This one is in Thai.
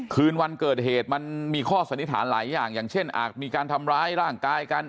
คืนวันเกิดเหตุมันมีข้อสันนิษฐานหลายอย่างอย่างเช่นอาจมีการทำร้ายร่างกายกัน